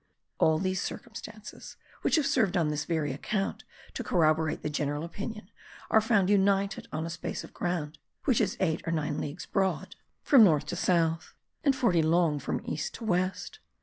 All these circumstances (which have served on this very account to corroborate the general opinion) are found united on a space of ground which is eight or nine leagues broad from north to south, and forty long from east to west.